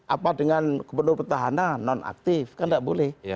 apa dengan gubernur pertahanan non aktif kan tidak boleh